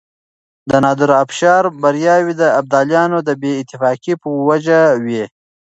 د نادرافشار برياوې د ابدالیانو د بې اتفاقۍ په وجه وې.